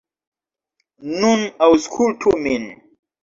Nun aŭskultu min.